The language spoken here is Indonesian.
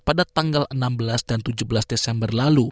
pada tanggal enam belas dan tujuh belas desember lalu